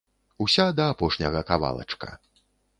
Уся да апошняга кавалачка.